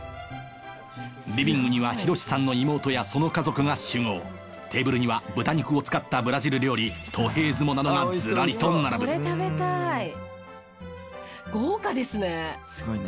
リビングにはヒロシさんの妹やその家族が集合テーブルには豚肉を使ったブラジル料理トヘーズモなどがズラリと並ぶ豪華ですね！